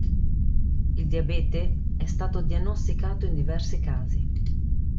Il diabete è stato diagnosticato in diversi casi.